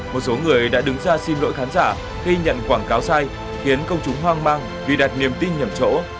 một số người đã đứng ra xin lỗi khán giả khi nhận quảng cáo sai khiến công chúng hoang mang vì đặt niềm tin nhầm chỗ